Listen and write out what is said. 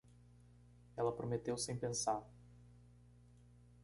Ela prometeu sem pensar